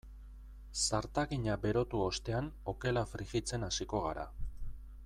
Zartagina berotu ostean okela frijitzen hasiko gara.